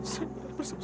saya sudah bersalah